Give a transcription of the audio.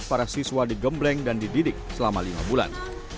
para siswa digembleng dan dididik selama lima bulan